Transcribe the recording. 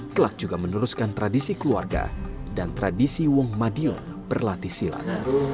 kelak juga meneruskan tradisi keluarga dan tradisi wong madiun berlatih silat